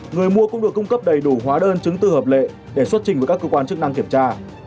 người mua cũng được cung cấp đầy đủ hóa đơn chứng từ hợp lệ để xuất trình với các cơ quan chức năng kiểm tra